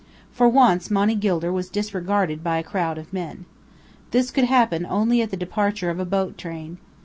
For once Monny Gilder was disregarded by a crowd of men. This could happen only at the departure of a boat train!